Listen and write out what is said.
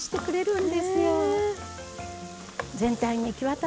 うん。